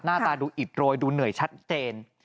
ตาดูอิดโรยดูเหนื่อยชัดเจน